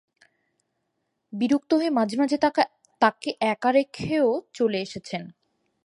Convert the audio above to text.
বিরক্ত হয়ে মাঝে-মাঝে তাকে একা রেখেও চলে এসেছেন।